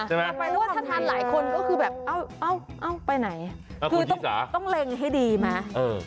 ถ้าทานหลายคนก็คือแบบเอาไปไหนคือต้องเล็งให้ดีมา